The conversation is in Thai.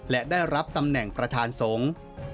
และได้รับตำแหน่งประธานสงฆ์